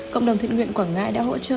cộng đồng thịnh nguyện quảng ngãi đã hỗ trợ